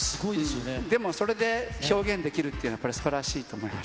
でもそれで、表現できるっていうのは、やっぱりすばらしいと思います。